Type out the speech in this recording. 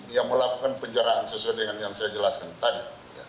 yang melakukan penjaraan sesuai dengan yang saya jelaskan tadi